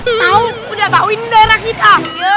tau udah tau ini daerah kita